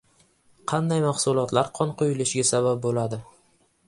Qanday mahsulotlar qon quyulishiga sabab bo‘ladi?